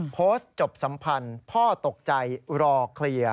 โพสต์จบสัมพันธ์พ่อตกใจรอเคลียร์